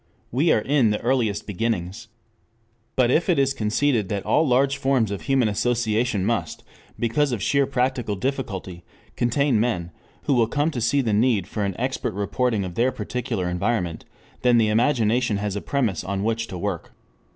We are in the earliest beginnings. But if it is conceded that all large forms of human association must, because of sheer practical difficulty, contain men who will come to see the need for an expert reporting of their particular environment, then the imagination has a premise on which to work.